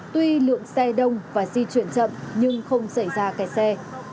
tuy lượng xe đông và di chuyển chậm nhưng không xảy ra kẹt xe